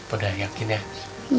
udah yakin ya